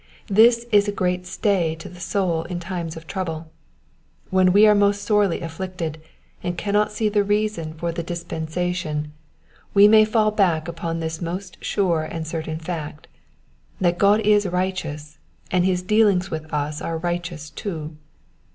This is a great stay to the soul in time of trouble. "When wo are most sorely afflicted, and cannot see the reason for the dispensation, we may fall back upon this most sure and certain fact, that God is righteous, and his dealings with us are righteous too.